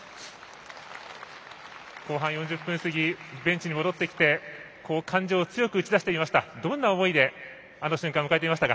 後半４０分過ぎベンチに戻ってきて感情を強く打ちだしていました。